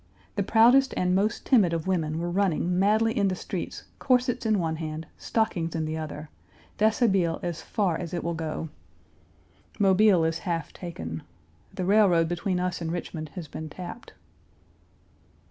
The proudest and most timid of women were running madly in the streets, corsets in one hand, stockings in the other déshabillé as far as it will go, Mobile is half taken. The railroad between us and Richmond has been tapped.